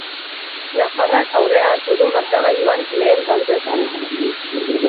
Nafarrak aurrea hartu du markagailuan lehen tantoetan.